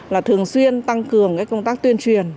là thường xuyên tăng cường cái công tác tuyên truyền